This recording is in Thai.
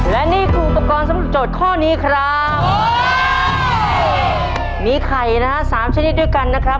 และนี่คืออุปกรณ์สำหรับโจทย์ข้อนี้ครับมีไข่นะฮะสามชนิดด้วยกันนะครับ